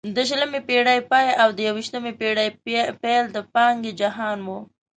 د شلمې پېړۍ پای او د یوویشتمې پېړۍ پیل د پانګې جهان وو.